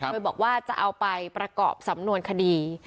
โดยบอกว่าจะเอาไปประกอบสำนวนคดี